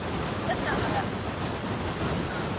ایا انارګل به خپله نوې مېنه اباده کړي؟